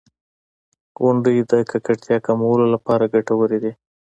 • غونډۍ د ککړتیا کمولو لپاره ګټورې دي.